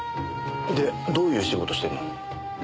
でどういう仕事してるの？